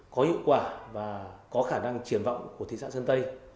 có hiệu quả và có khả năng triển vọng của thị xã sơn tây